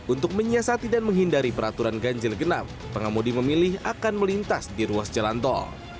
untuk menyiasati dan menghindari peraturan ganjil genap pengamudi memilih akan melintas di ruas jalan tol